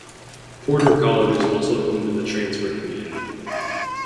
Porter College is also home to the Transfer Community.